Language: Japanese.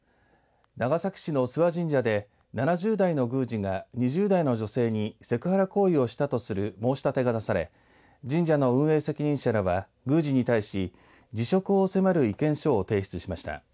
長崎市の諏訪神社で７０代の宮司が２０代の女性にセクハラ行為をしたとする申し立てが出され神社の運営責任者らは宮司に対し辞職を迫る意見書を提出しました。